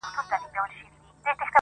انسانيت د پېښې تر سيوري للاندي ټپي کيږي,